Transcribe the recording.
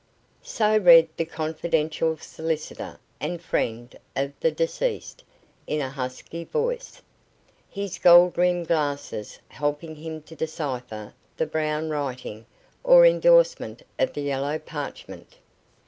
So read the confidential solicitor and friend of the deceased, in a husky voice, his gold rimmed glasses helping him to decipher the brown writing or endorsement of the yellow parchment.